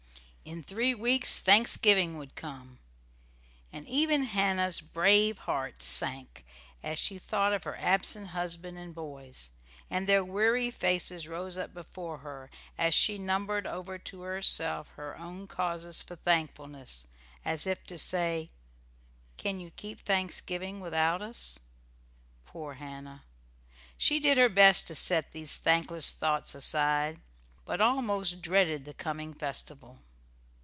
In three weeks Thanksgiving would come, and even Hannah's brave heart sank as she thought of her absent husband and boys; and their weary faces rose up before her as she numbered over to herself her own causes for thankfulness, as if to say: "Can you keep Thanksgiving without us?" Poor Hannah! She did her best to set these thankless thoughts aside, but almost dreaded the coming festival.